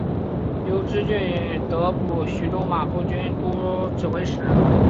刘知俊得补徐州马步军都指挥使。